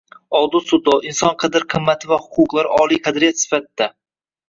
Odil sudlov, inson qadr-qimmati va huquqlari oliy qadriyat sifatida